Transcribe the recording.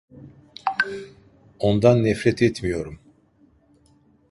Ondan nefret etmiyorum.